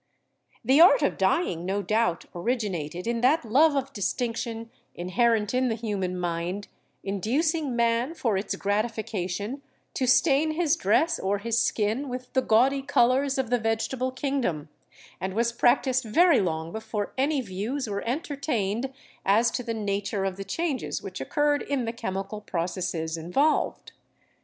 The art of dyeing no doubt originated in that love of distinction inherent in the human mind, inducing man, for its gratification, to stain his dress or his skin with the gaudy colors of the vegetable kingdom, and was practiced very long before any views were entertained as to the nature of the changes which occurred in the chemical proc esses involved.